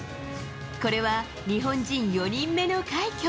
これは日本人４人目の快挙。